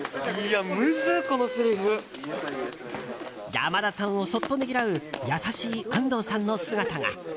山田さんを、そっとねぎらう優しい安藤さんの姿が。